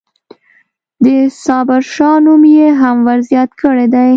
د صابرشاه نوم یې هم ورزیات کړی دی.